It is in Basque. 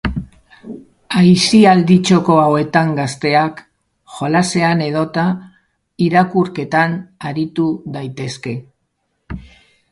Aisialdi txoko hauetan gazteak jolasean edota irakurketan aritu daitezke.